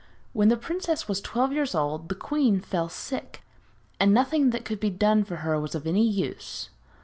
When the princess was twelve years old the queen fell sick, and nothing that could be done for her was of any use.